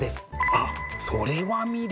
あっそれは魅力。